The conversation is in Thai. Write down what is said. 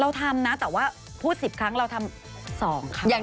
เราทำนะแต่ว่าพูด๑๐ครั้งเราทำ๒ครั้ง